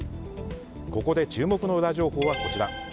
ここで注目のウラ情報はこちら！